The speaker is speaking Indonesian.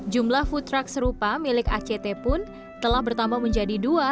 jumlah food truck serupa milik act pun telah bertambah menjadi dua